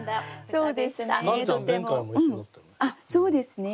そうですね。